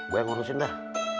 gua ngurusin dah